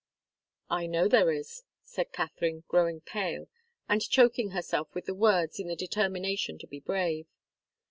'" "I know there is," said Katharine, growing pale, and choking herself with the words in the determination to be brave.